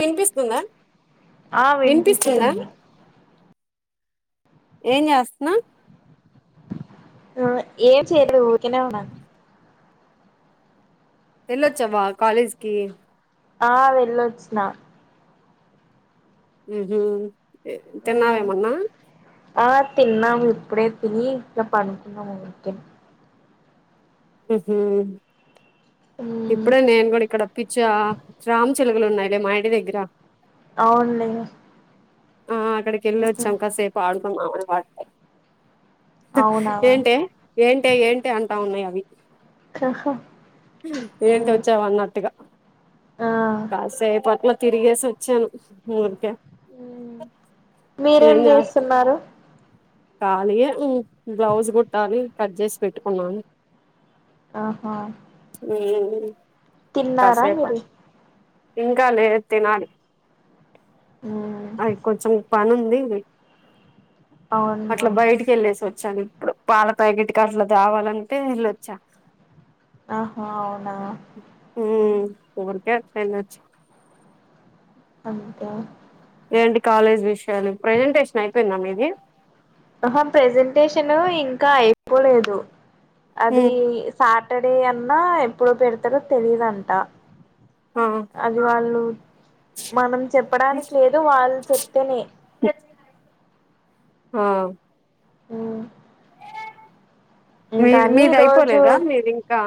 వినిపిస్తుందా ఆ వినిపిస్తుందా వినిపిస్తుంది ఏం చేస్తున్నా ఆ ఏం చేయట్లేదు ఊరికినేవున్నా ఎల్ ఒచ్చవా కాలేజ్కి ఆ వెళ్ళొచ్చిన ఉహు తిన్నావేమన్నా ఆ తిన్నాము ఇప్పుడే తిని ఇట్లలా పడికున్నము ఉరికనే ఉహు ఇప్పుడే నేను కూడా ఇక్కడ అప్పిచ్చా రామ్ చిలలు ఉన్నాయిలే మాఇంటి దగ్గర అవునులే ఆ అక్కడికి వెళ్ళి వచ్చాం కాసేపు ఆడుకుంద వాడత అవునా ఆ ఏంటే ఏంటే ఏంటి అంటా ఉన్నాయి అవి ఆహా ఏంటి వచ్చావు అన్నట్టుగా కాసేపు అట్లా తిరిగేసి వచ్చాను ఊరికే మీరేం ఏం జాస్ చేస్తున్నారు కానీ బ్లౌజ్ కుట్టాలి కట్ చేసి పెట్టుకున్నాను ఆహ మ్మ్ తిన్నారా మీరు ఇంకా లేదు తినాలి ఇంకా కొంచెం పని ఉంది ఏంది అవును అట్లా బయటికి వెళ్ళేసి వచ్చాను ఇప్పుడు పాల ప్యాకెట్ కి అట్లా తేవాలంటే వెళ్ళొచ్చా ఆహా అవునా ఉరికే అట్లా వెళ్ళొచ్చ అంటా ఎంటి కాలేజ్ విషయాలు ప్రజెంటేషన్ అయిపోయింద మీది ఆహా ప్రెజెంటేషన్ ఇంకా అయిపోలేదు అది ఉమ్ సా సాటర్డే అన్నా ఎప్పుడో పెడతారో తెలిదాంట ఆ అది వాళ్ళు మనం చెప్పడానికి లేదు వాళ్ళు చెప్తేనే ఆ మ్మ్ మీదిడ మీది రోజు అయిపోలేదా మీది ఇంకా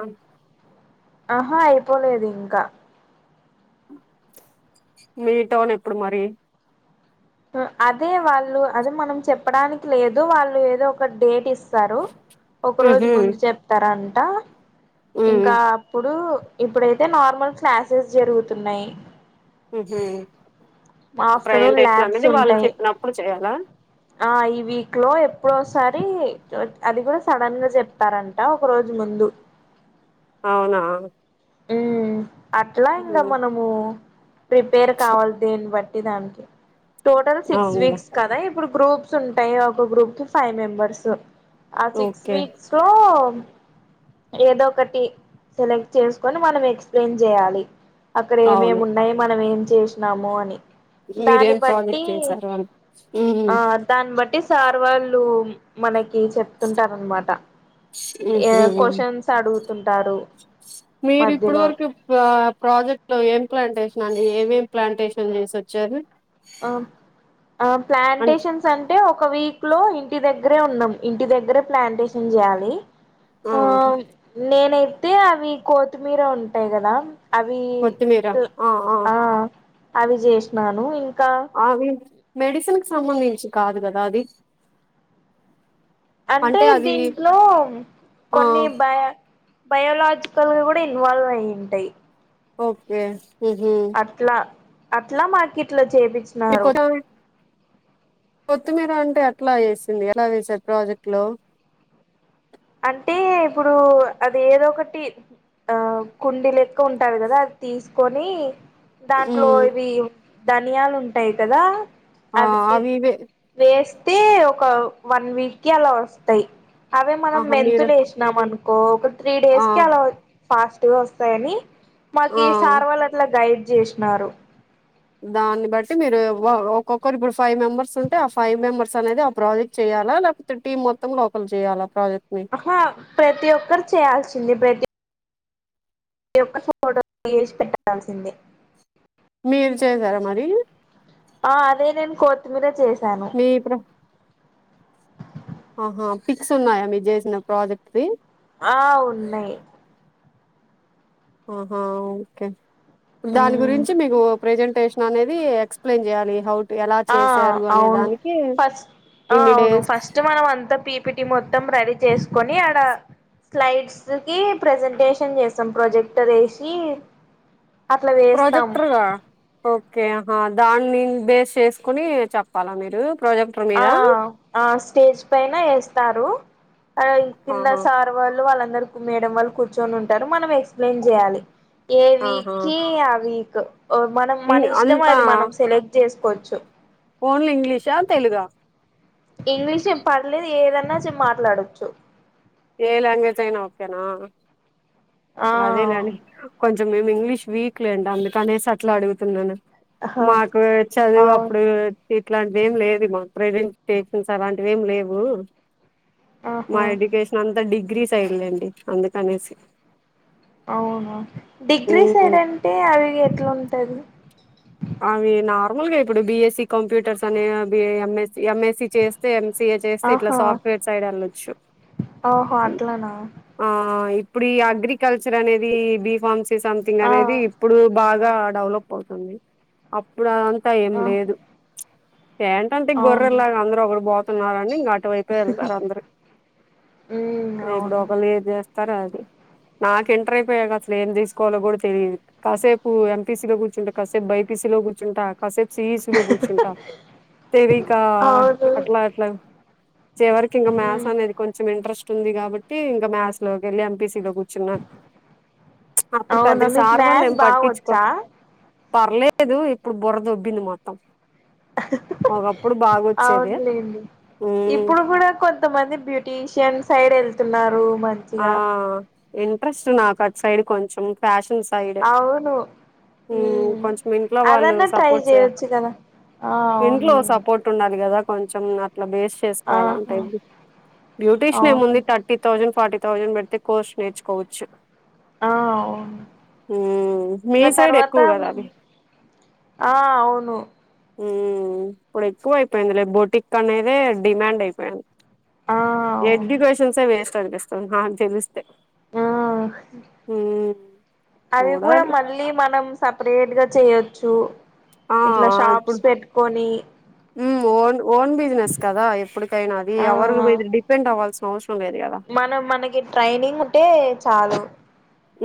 ఆహా అయిపోలేదు ఇంకా మీ టౌన్ ఎప్పుడు మరి అదే వాళ్ళు అదే మనం చెప్పడానికి లేదు వాళ్ళు ఏదో ఒక డేట్ ఇస్తారు ఒక రోజు ఉహు ముందు చెప్తారంట ఉమ్ ఇంకా అప్పుడు ఇప్పుడైతే నార్మల్ క్లాసెస్ జరుగుతున్నాయి మ్మ్ ఆఫ్టర్నూన్ ప్రెజెంటేషన్ ల్యాబ్స్ అనేది వాళ్ళు ఉంటాయి చెప్పినప్పుడు చేయాల్ల ఆ ఈ వీక్ లో ఎప్పుడోసారి అది కూడా సడన్ గా చెప్తారంట ఒక రోజు ముందు అవునా మ్మ్ అట్లా ఇంగా ఉమ్ మనము ప్రిపేర్ కావాలి దేన్ని బట్టి దానికి టోటల్ సిక్స్ అవునులే వీక్స్ కదా ఇప్పుడు గ్రూప్ కొంచెం ప్రతి ఒక గ్రూప్ కి ఫైవ్ మెంబర్స్ ఆ సిక్స్ ఓకే వీక్స్ లో ఏదో ఒకటి సెలెక్ట్ చేసుకొని మనం ఎక్స్ ప్లెయిన్ చేయాలి అక్కడ ఏమేమి అవును ఉన్నాయో మనం ఏం చేసినాము అని దాన్ని మీరేం బట్టి ప్రాజెక్ట్ చేశారు అని ఉమ్ ఆ దాన్ని బట్టి సార్ వాళ్ళు మనకి చెప్తుంటారన్నమాట ఆ ఉహు క్వశ్చన్స్ అడుగుతుంటారు మీరు ఇప్పుడు మధ్యలో వరకు ప్రాజెక్ట్ లో ఏం ప్రెజెంటేషన్ మరి ఏమేం ప్లాంటేషన్ చేసివచ్చారు ఆ ఆ ప్లాంటేషన్స్ అంటే ఒక వీక్ లో ఇంటి దగ్గరే ఉన్నాం ఇంటి దగ్గరే ప్లాంటేషన్ చేయాలి ఆ నేనైతే అవి కోత్తిమీర ఉంటాయి కదా అవి ఆ అవి చేసినాను ఇంకా అవి మెడిసిన్ కి సంబంధించి కాదు కదా అది అంటే దీంట్లో ఆ కొన్ని బయ బయోలాజికల్ గా కూడా ఇన్వాల్వ్ అయింటాయి ఓకే ఉహు అట్లా అట్లా మాకి ఇట్ల మీరు చేపిచ్చినారు కొత్త కొత్తిమీర అంటే అట్లా ఏసింది ఎలా చేసారు ప్రాజెక్ట్ లో అంటే ఇప్పుడు అది ఏదో ఒకటి ఆ కుండీ లెక్క ఉంటారు కదా అది తీసుకొని దాంట్లో ఉమ్ ఇవి ధనియాలు ఉంటాయి కదా ఆ అవి ఇవే తే ఒక వన్ వీక్ కి అలా వస్తాయి అవి ఆహా మీరు మెంతులు ఎసినాం అనుకో ఒక త్రీ ఆ డేస్ కి అలా ఫాస్ట్గా వస్తాయని మాకు ఆ ఈ సార్ వాళ్ళు అట్లా గైడ్ చేసినారు దాన్ని బట్టి మీరు ఒక్కొక్కరు ఇప్పుడు ఫైవ్ మెంబర్స్ ఉంటే ఆ ఫైవ్ మెంబెర్స్ అనేది ఆ ప్రాజెక్ట్ చేయా యల లేకపోతే టీం మొత్తంలో వకళ్ళు చేయాల అహ ప్రతి ఒక్కరు చేయాల్సింది ప్రతి ఒక్క ఫోటో తీసి పెట్టాల్సిందే మీరు చేసారా మరి ఆ అదే నేను కోత్మీర చేస్ నీ ఇప్పుడు ఆహా ఫిక్స్ ఉన్నాయా మీరు చేసిన ప్రాజెక్ట్దిి ఆ ఉన్నాయి అహ ఓకే దాని మ్మ్ గురించి మీకు ప్రెజెంటేషన్ అనేది ఎక్స్ప్లెయిన్ చేయాలి హౌ టు ఎలా ఆ చేశారు అనే అవును దానికి ఫస్ ఇన్ని అవును డేస్ ఫస్ట్ మనం అంతా పీపిటీ మొత్తం రెడీ చేసుకొని ఆడ స్లైడ్స్ కి ప్రెజెంటేషన్ చేస్తాం ప్రొజెక్టర్ ఏషి ప్రొజెక్టర్గా ఓకే దాన్ని బేస్ చేసుకుని చెప్పాలా మీరు ప్రాజెక్టర్ ఆ మీద ఆ స్టేజ్ పైన ఏస్తారు అ కింద ఆహా సార్ వాళ్ళు వాళ్ళ అందరు కు మేడం వాళ్ళు కూర్చొని ఉంటారు మనం ఎక్స్ప్లెయిన్ చేయాలి ఏ వీక్ ఆహా కి ఆ వీక్ క్ మనం మన ఇం ఇష్టం అంతా అది మనం సెలెక్ట్ చేసుకోచ్చు ఓన్లీ ఇంగ్లీషా తెలుగా ఇంగ్లీష్ ఏం పర్లేదు ఏదన్నా చె మాట్లాడొచ్చు ఏ లాంగ్వేజ్ అయినా ఓకేనా అదే లే ఆ అని కొం మేము ఇంగ్లీష్ వీక్ లేండి అందుకనేసి అట్లా అడుగుతున్నాను ఆహా మాకు చదువు అవు అప్పుడు ఇట్లాంటి వేం లేదు మా ప్రజెంటేషన్ అలాంటివి ఏం లేవు అహ త డిగ్రీ సైడ్లేండి అందుకనేసి అవును డిగ్రీ మ్మ్ సైడ్ అంటే అవి ఎట్ల ఉంటది అవి నార్మల్ గా ఇప్పుడు బిఎస్సి కంప్యూటర్స్ అని బి ఎంఎస్ ఎంఎస్సి చేస్తే ఎంసిఏ చేస్తే ఇట్లా ఆహా సాఫ్ట్వేర్ సైడ్ వెళ్ళోచ్చు ఓహో అట్లనా ఆ ఇప్పుడు ఈ అగ్రికల్చర్ అనేది బి ఫామ్స్ సి సంథింగ్ ఆ అనేది ఇప్పుడు బా గా డెవలప్ అవుతుంది అప్పుడు అదంతా ఏం ఆహా లేదు ఏంటంతే అవును గొర్రెల్లాగా అందరు ఒకరు పోతున్నారని ఇంగ అటువైపే వెళ్ళారు అందరు ఉమ్ ఇప్పుడు అవును ఒకళ్ళు ఏది చేస్తారో అది నాకు ఇంటర్ అయిపోయాక అసలు ఏం తీసుకోవాలో కూడా తెలిదు కాసేపు ఎంపీసీ లో కూర్చుంట కసే బై పిసిలో కూర్చుంటా కసే సియిసి లో కూర్చుంటా తెలికా అవును అట్లా అట్లా చివరికి ఇంకా మాథ్స్ ఉమ్ అనేది కొంచం ఇంట్రెస్ట్ ఉంది కాబట్టి ఇంకా మ్యాథస్ లోకి వెళ్లి ఎంపీస్ సి లో కూర్చున్నాం చ్ అప్పుడు అవునా పెద్దగ మీకు సార్ వాళ్ళు ఏం మ్యాథ్స్ బాగా వచ్చా పట్టించుకోరు పర్లేదు ఇప్పుడు బుర్ర దొబ్బింది మొత్తం ఒకప్పుడు బాగొచ్చేది అవునులేండి ఉమ్ ఇప్పుడు కూడా కొంతమంది బ్యూటీషియన్ సైడ్ వెళ్ తున్నారు ఆ ఇంట్రెస్ట్ నాకు అట్ సైడ్ కొంచెం ఫ్యాష్ అవును మ్ ఉమ్ కొంచెం ఇంట్లో వాళ్ళు అదన్నా ట్రై సపోర్ట్ చే చేయొచ్చు కదా ఆ ఇంట్లో అవునులేండి సపోర్ట్ ఉండాలి కదా కొంచెం అట్లా బేస్ చేసుకోవాలంటే ఆహా అండి బ్యూటీషన్ అవును ఏముంది థర్టీ థౌసండ్ ఫార్టీ థౌసండ్ పెడితే కోర్స్ నేర్చుకోవచ్చు ఆ అవును హ్మ్ మీ ఇంగ సైడ్ తర్వాత ఎక్కువ కదా అది ఆ అవును మ్ ఇప్పుడు ఎక్కువ అయిపోయింది లే బొటిక్ అనేదే డిమాండ్ అయిపోయింది ఆ అవును ఎడ్యుకేషన్స్ ఏ వేస్ట్ అనిపిపిస్తుంది నాకు తెలుస్తే ఆ అవి కూడా చూడాలి మళ్ళీ మనం సపరేట్ గా చెయొచ్చు ఇట్లా షాప్స్ పెట్టుకొని ఉమ్ ఓన్ ఓన్ బిజినెస్ కదా ఎప్పుడికైనా అది ఆ ఎవరి మీద డిపెండ్ అవ్వాల్స్ మనం మనకి ట్రైనింగ్ ఉంటే చాలు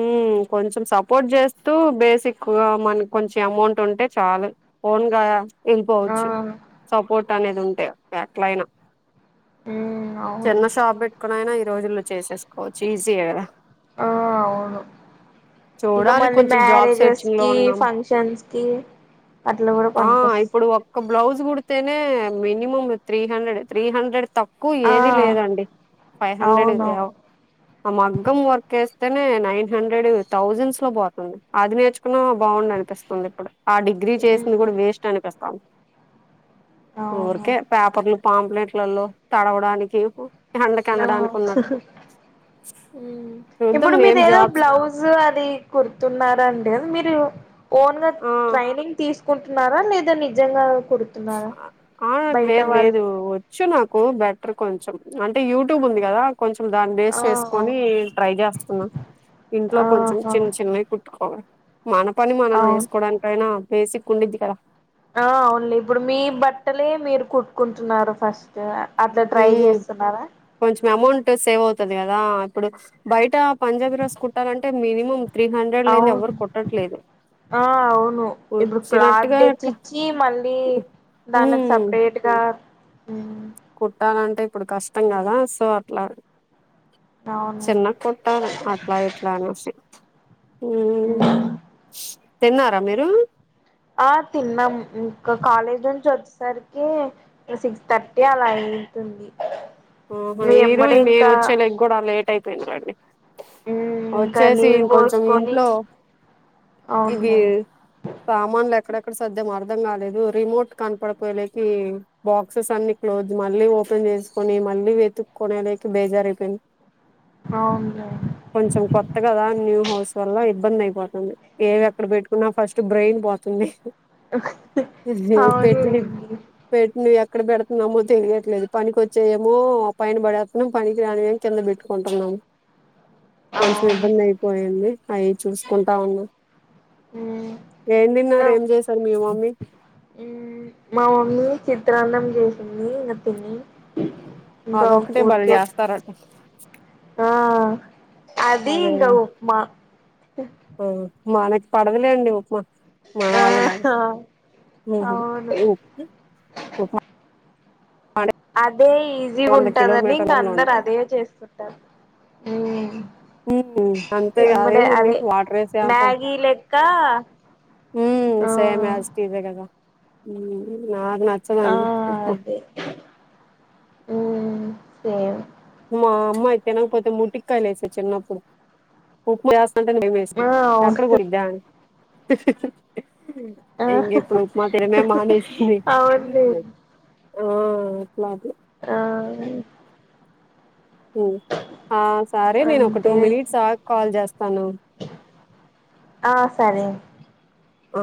మ్ కొంచెం సపోర్ట్ చేస్తూ బేసిక్ గా మన కొంచెం అమౌంట్ ఉంటే చాలు ఓన్గా ఆ వెళ్ళిపోవచ్చు సపోర్ట్ అనేది ఉంటే ఎట్ల అయినా ఉమ్ చిన్న అవును షాప్ పెట్టుకొని అయినా ఈ రోజుల్లో చేసేసుకోవచ్చు ఈజీ ఏ కదా ఆ అవును ఇంకా చూడాలి మళ్ళీ కొంచెం జాబ్ మ్యారేజెస్ సెర్చింగ్ లో కి ఉన్నాం ఫంక్షన్స్ కి అట్ల కూడా ఆ పనుకొస్ ఇప్పుడు ఒక్క బ్లౌజ్ కుడితేనే minimum three hundred three hundred తక్వ్ క్కువ ఆ ఏది లేదండి ఫైవ్ హండ్రెడ్ అవునవును ఆ మగ్గం work yes nine hundred thousands లో పోతంది అది నేర్చుకున్నా బాగుండు అనిపిస్తుంది ఇప్పుడు ఆ డిగ్రీ చేసింది ఉమ్ కూడా వేస్ట్ అనిపిస్తుంది అవును ఊరికే పేపర్లు పాంప్లెట్లలో తడవడానికి హండ కనడానికి ఉన్నట్టు ఆ మ్మ్ ఉమ్ ఇప్పుడు మీరు ఏదో బ్లౌజ్ అది కుర్తున్నరా అండి మీరు ఓన్ గా ఆ ట్రైనింగ్ తీసుకుంటున్నారా లేదా నిజంగా కుడుతున్నారా ఆ బయట లేదు వాళ్ళు లేదు వచ్చు నాకు బెటర్ కొంచెం అంటే యూట్యూబ్ ఉంది కదా కొంచెం దాని బేస్ ఆ చేసుకొని ట్రై చేస్తున్నా ఇంట్లో కొంచెం ఆహా చిన్న చిన్నవి కుట్టుకోవాలి మన పని మనం అవును చేసుకోవడానికైనా బేసిక్ ఉండిద్ది కదా ఆ అవునులే ఇప్పుడు మీ బట్టలే మీరు కుట్టుకుంటున్నారు ఫస్ట్ అట్లా ట్రై ఉమ్ చేస్తున్నారా కొంచెం అమౌంట్ సేవ్ అవుతాది కదా ఇప్పుడు బయట పంజాబీ డ్రెస్ కుట్టాలంటే మినిమం త్రీ హండ్రెడ్ లేనిది అవును ఎవ్వరు కుట్టట్లేదు ఆ అవును ఇప్పుడు క్లాత్ వచ్చినట్టుగా అట్లా తెచ్చిచ్చి మళ్ళీ దాన్లకి ఉమ్ సపరేట్ గా కుట్టాలంటే ఇప్పుడు కష్టం కదా సో అట్లా అవును చిన్నగా కొట్టను అట్లా ఇట్లా అనేసి ఉమ్ మ్మ్ తిన్నారా మీరు ఆ తిన్నాం ఇంకా కాలేజ్ నుంచి వచ్చేసరికి సిక్స్ థర్టీ అలా అయింది ఉంటుంది ఆహా ఈరోజు నేను వచ్చేలకి కూడా లేట్ అయిపోయింది లే అండి ఇంకా వచ్చేసి నీళ్ళు కొంచెం పోసుకొని ఇంట్లో ఇది అవునులేండి సామాన్లు ఎక్కడ ఎక్కడ సద్దాము కాలేదు రిమోట్ కనపడిపోయకి బాక్సెస్ అన్ని క్లోజ్ మళ్ ఓపెన్ చేసుకొని మళ్ళీ వెతుక్కునేసరికి బేజారియిపోయింది అవునులేండి కొంచెం కొత్త కదా న్యూ హౌస్ వల్ల ఇబ్బంది అయిపోతుంది ఏవి ఎక్కడ పెట్టుకున్నా ఫస్ట్ బ్రెయిన్ పోతుంది పేట్టని పేట్ నాక్ ఎక్కడ పెడుతున్నామో తెలియట్లేదు పనికికొచ్చే మో పైన పడేస్తున్నాం పనికి రానివి కింద పెట్టుకుంటున్నాము అవునులేండి కొంచెం ఇబ్బంది అవును అయిపోయింది ఆయన చూసుకుంటా ఉన్నా ఉ చేశారు మీ మమ్మీ మా మమ్మీ చిత్రాన్నం చేసింది ఇక తిన్న అదొక్కటే బలే చేస్తారట్ట ఆ అది ఇంగ అదేగా ఉప్మా ఆ మనకి పడదులేండి ఉప్మా మాన ఆ వాళ్ళ కాదు అవును ఉమ్ అదే ఈజీగా వంద ఉంటదని ఇంక కిలోమీటర్లో అందరు ఉంటది అదే చేస్తుకుంటారు అంతే అదేము ఉంది వాటరసప మ్యాగీ లెక్క ఉమ్ ఆ సేమ్ యాజ్ టీసే కదా నాకు ఆ నచ్చదడి ఉప్మా ఉమ్ సే మా అమ్మ తినకపోతే పోతే ముటికి కాయలాయిస చిన్నప్పుస్త అంట భయ వేస్త ఆ అక్కడ అవును కూడా ఇద్దా అని ఆ ఇంక ఇప్పుడు ఉప్మా తినమే మానేసింది అవునులే ఆ అట్లాదు ఆ ఆ సరే నేను ఒక టూ అంతే మినిట్స్ ఆగి కాల్ చేస్తాను ఆ సరే ఆ